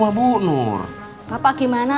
papa kapan mulai jualan lagi